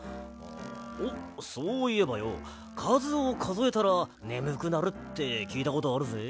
おっそういえばよかずをかぞえたらねむくなるってきいたことあるぜ。